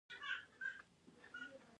سانتیاګو د مشرانو ترمنځ مشهور کیږي.